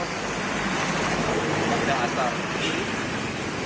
dan tidak asal